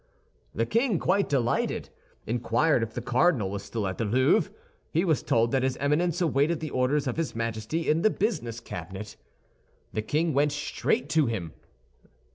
The king, quite delighted, inquired if the cardinal was still at the Louvre; he was told that his Eminence awaited the orders of his Majesty in the business cabinet. The king went straight to him.